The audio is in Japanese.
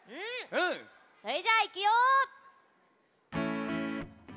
それじゃあいくよ！